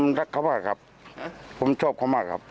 ผมรักเขามากครับผมชอบเขามากครับ